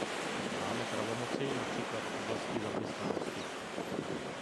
Máme pravomoci například v oblasti zaměstnanosti.